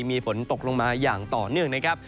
มีฝนตกลงมาอย่างต่อเนื่องนะครับ